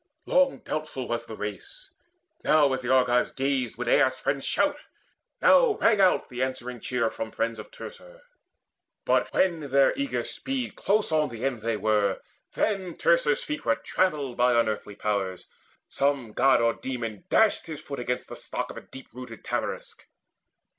Long doubtful was the race: Now, as the Argives gazed, would Aias' friends Shout, now rang out the answering cheer from friends Of Teucer. But when in their eager speed Close on the end they were, then Teucer's feet Were trammelled by unearthly powers: some god Or demon dashed his foot against the stock Of a deep rooted tamarisk.